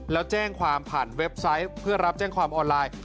แล้วแจ้งความผ่านเว็บไซต์เพื่อรับแจ้งความออนไลน์